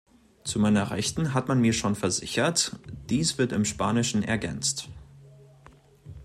Zu meiner Rechten hat man mir schon versichert, dies wird im Spanischen ergänzt.